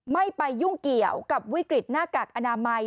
ไม่ไปยุ่งเกี่ยวกับวิกฤตหน้ากากอนามัย